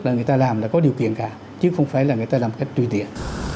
là người ta làm là có điều kiện cả chứ không phải là người ta làm khách tùy tiện